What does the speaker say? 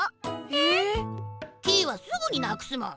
えっ！？キイはすぐになくすもん！